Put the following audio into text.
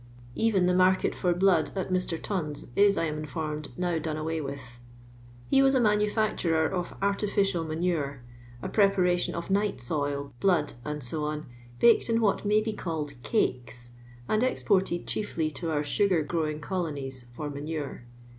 Even the market for blood at Mr. Ton's, is, I am informed, now done away with. He wu a manufacturer of artificial manure, a preparatico of night soil, blood, &c., baked in what may be called " cakes," and exported chiefly to our sagsr growing colonies, for manure.